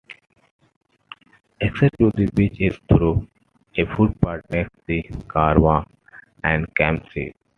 Access to the beach is through a footpath next the caravan and camp-site.